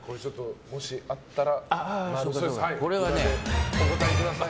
もしあったら札でお答えください。